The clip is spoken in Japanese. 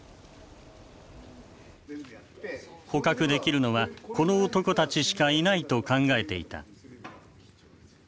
捕獲できるのはこの男たちしかいないと考えていた。